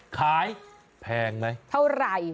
ขายแพงไหมเท่าไร